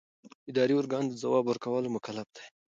اداري ارګان د ځواب ورکولو مکلف دی.